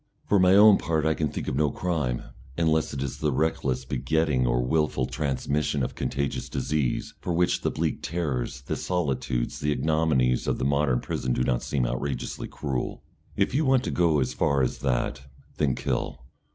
For my own part I can think of no crime, unless it is reckless begetting or the wilful transmission of contagious disease, for which the bleak terrors, the solitudes and ignominies of the modern prison do not seem outrageously cruel. If you want to go so far as that, then kill.